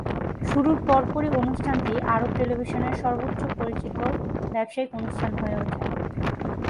শুরুর পরপরই, অনুষ্ঠানটি আরব টেলিভিশনে সর্বোচ্চ পরিচিত ব্যবসায়িক অনুষ্ঠান হয়ে ওঠে।